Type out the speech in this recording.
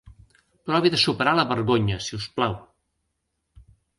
Provi de superar la vergonya, si us plau.